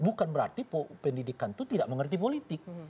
bukan berarti pendidikan itu tidak mengerti politik